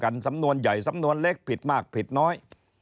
สำนวนใหญ่สำนวนเล็กผิดมากผิดน้อย